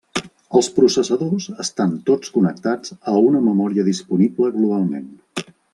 Els processadors estan tots connectats a una memòria disponible globalment.